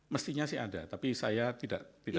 mestinya sih ada tapi saya tidak